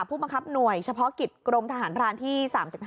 ผู้บังคับหน่วยเฉพาะกิจกรมทหารพรานที่๓๕